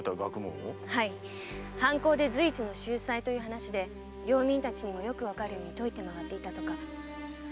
はい藩校で随一の秀才という話で領民にもよくわかるように説いて回っていたとか。